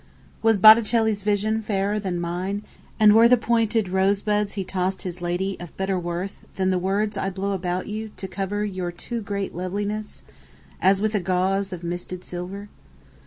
Was Botticelli's visionFairer than mine; And were the pointed rosebudsHe tossed his ladyOf better worthThan the words I blow about youTo cover your too great lovelinessAs with a gauzeOf misted silver?